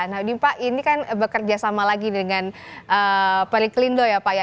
nah ini pak ini kan bekerja sama lagi dengan periklindo ya pak ya